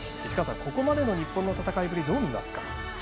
市川さん、ここまでの日本の戦いぶり、どう見ますか？